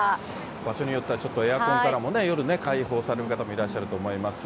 場所によってはちょっと、エアコンからも夜ね、解放される方もいらっしゃると思います。